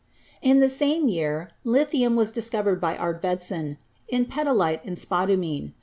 In the same year lithium was discovered by Arfvedson in petalite and spodumene.